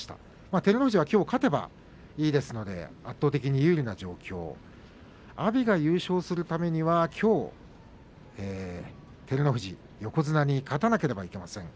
照ノ富士がきょう勝てばいいですので圧倒的な有利の状況を阿炎が優勝するためにはきょう照ノ富士横綱に勝たなければいけません。